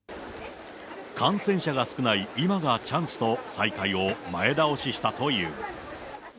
感染者が少ない今がチャンスと、再会を前倒ししたという。